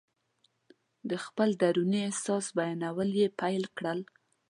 د خپل دروني احساس بیانول یې پیل کړل.